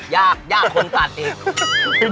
ยากยากคนตัดอีก